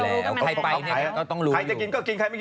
เหมือเจ๊ไฝเขากินเนี่ย